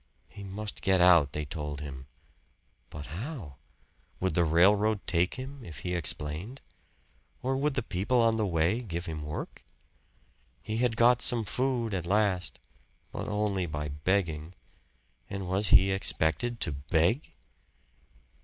He must get out, they told him. But how? Would the railroad take him, if he explained? Or would the people on the way give him work? He had got some food at last, but only by begging. And was he expected to beg?